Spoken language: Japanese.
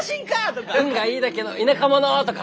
「運がいいだけの田舎者！」とか。